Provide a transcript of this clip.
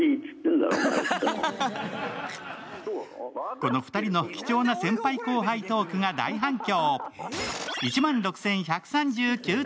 この２人の貴重な先輩後輩トークが大反響。